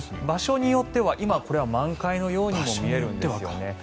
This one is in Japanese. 場所によってはまだこれは満開のように見えるんですね。